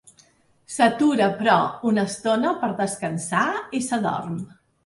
S'atura, però, una estona per descansar i s'adorm.